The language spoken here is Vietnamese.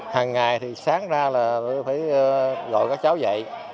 hằng ngày thì sáng ra là phải gọi các cháu dậy